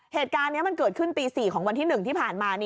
เหตุการณ์นี้มันเกิดขึ้นตี๔ของวันที่๑ที่ผ่านมา